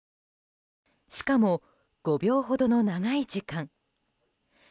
しかも、５秒ほどの長い時間。